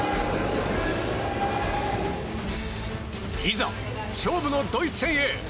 いざ、勝負のドイツ戦へ！